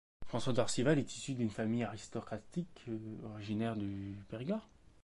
François d'Orcival est issu d'une famille aristocratique originaire du Périgord.